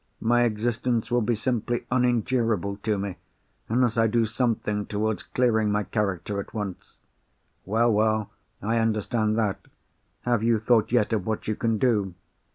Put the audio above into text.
My existence will be simply unendurable to me, unless I do something towards clearing my character at once." "Well, well, I understand that. Have you thought yet of what you can do?"